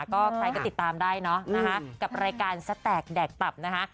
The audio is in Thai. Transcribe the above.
ก็ใครก็ติดตามได้เนอะนะคะกับรายการสแตกแดกตับนะคะ